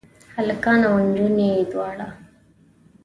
هلکان او انجونې دواړه؟